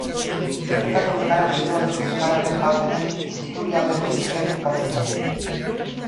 Bertako euskara mendebaldeko euskararen parte den Busturialdeko hizkeran kokatzen da.